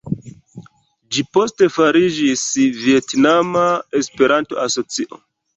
Ĝi poste fariĝis Vjetnama Esperanto-Asocio.